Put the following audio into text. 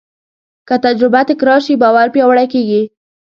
که تجربه تکرار شي، باور پیاوړی کېږي.